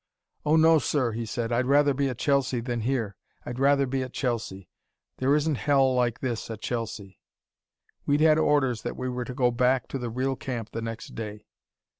'Oh no, sir!' he said. 'I'd rather be at Chelsea than here. I'd rather be at Chelsea. There isn't hell like this at Chelsea.' We'd had orders that we were to go back to the real camp the next day.